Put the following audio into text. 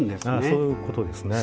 そういうことですね。